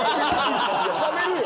しゃべるよ！